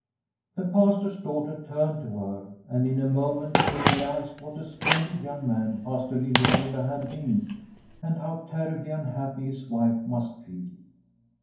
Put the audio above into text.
The Pastor's daughter turned to her, and in a moment she realised what a splendid young man Pastor Liliecrona had been and how terribly unhappy his wife must feel.